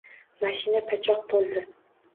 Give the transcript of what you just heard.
Mashina pachoq bo`ldi